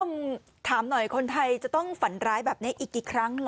ต้องถามหน่อยคนไทยจะต้องฝันร้ายแบบนี้อีกกี่ครั้งเหรอ